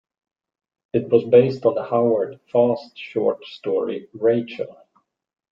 It was based on the Howard Fast short story "Rachel".